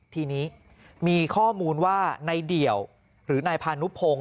ทีนี้มีข้อมูลว่านายเดี่ยวหรือนายพานุพงศ